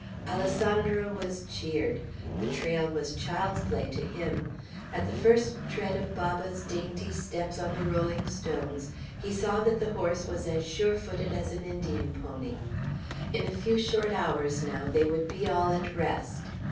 Alessandro was cheered. The trail was child's play to him. At the first tread of Baba's dainty steps on the rolling stones, he saw that the horse was as sure footed as an Indian pony. In a few short hours, now, they would be all at rest.